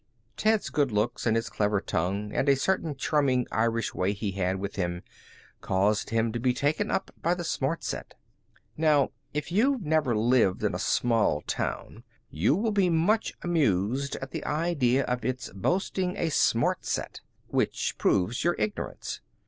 Ted's good looks and his clever tongue and a certain charming Irish way he had with him caused him to be taken up by the smart set. Now, if you've never lived in a small town you will be much amused at the idea of its boasting a smart set. Which proves your ignorance.